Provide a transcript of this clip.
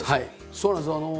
そうなんですよ。